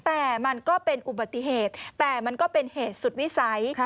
แต่มันก็เป็นอุบัติเหตุแต่มันก็เป็นเหตุสุดวิสัย